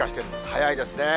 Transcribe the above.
早いですね。